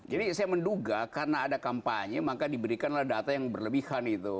jadi saya menduga karena ada kampanye maka diberikanlah data yang berlebihan itu